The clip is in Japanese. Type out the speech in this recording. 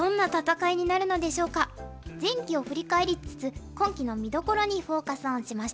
前期を振り返りつつ今期の見どころにフォーカス・オンしました。